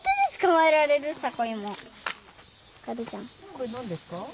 これ何ですか？